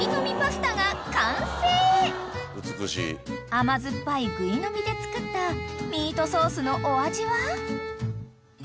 ［甘酸っぱいグイの実で作ったミートソースのお味は？］